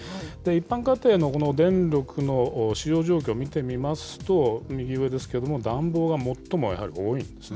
一般家庭の、この電力の使用状況を見てみますと、右上ですけれども、暖房が最もやはり多いんです